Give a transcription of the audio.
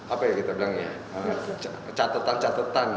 apa ya kita bilang ya catetan catetan